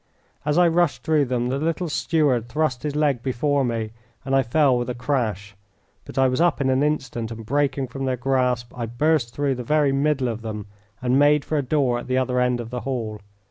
As I rushed through them the little steward thrust his leg before me and I fell with a crash, but I was up in an instant, and breaking from their grasp I burst through the very middle of them and made for a door at the other end of the hall.